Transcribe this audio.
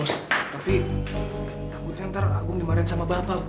selamat pak sampi